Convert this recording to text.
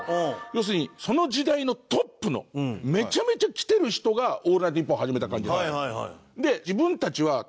要するにその時代のトップのめちゃめちゃきてる人が『オールナイトニッポン』始めた感じ。